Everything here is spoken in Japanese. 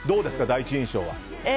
第一印象は。